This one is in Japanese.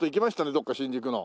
どっか新宿の。